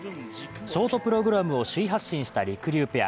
ショートプログラムを首位発進したりくりゅうペア。